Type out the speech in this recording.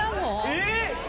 えっ！？